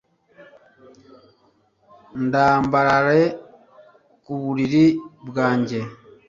ndambarare ku buriri bwanjye